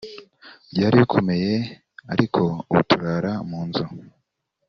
byari bikomeye ariko ubu turara mu nzu